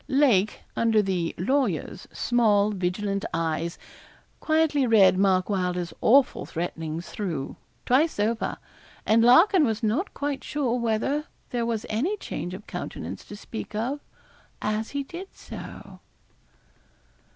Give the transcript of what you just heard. Lake, under the 'lawyer's' small, vigilant eyes, quietly read Mark Wylder's awful threatenings through, twice over, and Larkin was not quite sure whether there was any change of countenance to speak of as he did so.